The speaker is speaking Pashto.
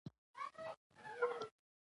انا له لمسیو سره پخلا ده